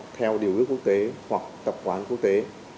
trong trường hợp điều ước quốc tế không quy định hoặc không có tập quán quốc tế